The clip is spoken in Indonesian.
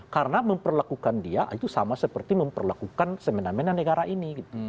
karena memperlakukan dia itu sama seperti memperlakukan semena mena negara ini